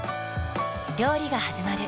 料理がはじまる。